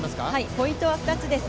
ポイントは２つです